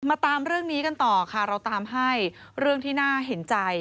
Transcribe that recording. ตามเรื่องนี้กันต่อค่ะเราตามให้เรื่องที่น่าเห็นใจ